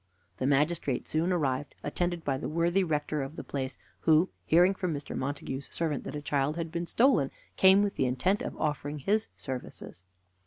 The magistrate soon arrived, attended by the worthy rector of the place, who, hearing from Mr. Montague's servant that a child had been stolen, came with the intent of offering his services.